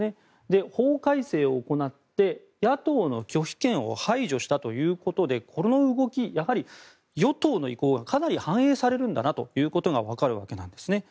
法改正を行って、野党の拒否権を排除したということでこの動き、やはり与党の意向がかなり反映されるんだなということがわかるわけですね。